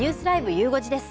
ゆう５時です。